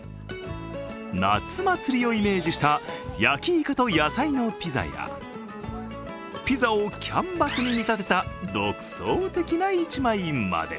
夏祭りをイメージした焼きいかと野菜のピザやピザをキャンパスに見立てた独創的な一枚まで。